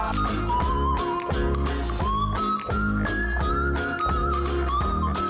ค่ะ